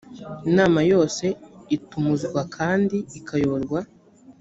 inama yose itumuzwa kandi ikayoborwa